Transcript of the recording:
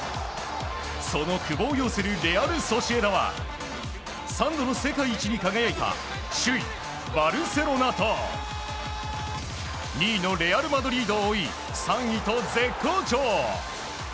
その久保を擁するレアル・ソシエダは３度の世界一に輝いた首位・バルセロナと２位のレアル・マドリードを追い３位と絶好調！